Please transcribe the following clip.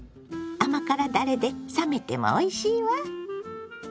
甘辛だれで冷めてもおいしいわ。